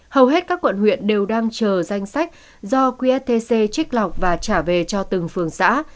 hầu hết các quận huyện đều đang chờ danh sách do qst trích lọc và trả về cho từng phường xã